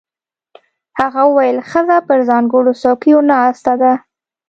هغه وویل ښځه پر ځانګړو څوکیو ناسته ده.